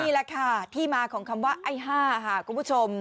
นี่แหละค่ะที่มาของคำว่าไอ้๕ค่ะคุณผู้ชม